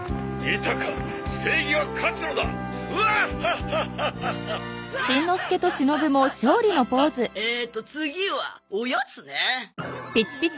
えーと次はおやつね。